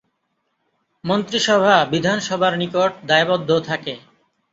মন্ত্রিসভা বিধানসভার নিকট দায়বদ্ধ থাকে।